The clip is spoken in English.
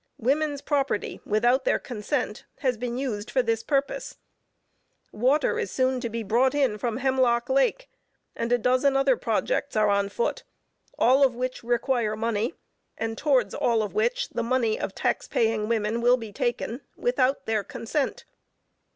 Women's property, without their consent, has been used for this purpose. Water is soon to be brought in from Hemlock Lake, and a dozen other projects are on foot, all of which require money, and towards all of which, the money of tax paying women will be taken without their consent.